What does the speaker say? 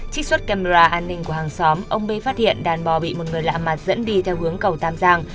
trích xuất camera an ninh của hàng xóm ông b phát hiện đàn bò bị một người lạ mặt dẫn đi theo hướng cầu tam giang